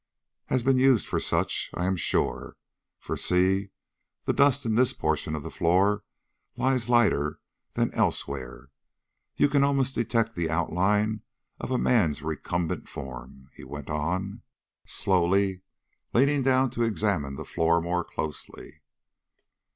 "Has been used for such, I am sure; for see, the dust in this portion of the floor lies lighter than elsewhere. You can almost detect the outline of a man's recumbent form," he went on, slowly, leaning down to examine the floor more closely.